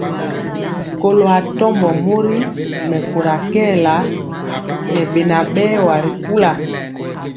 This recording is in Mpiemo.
Kɔlo atɔmbɔ mori mɛkóra kɛɛla ŋɛ beŋa berwa ri kula.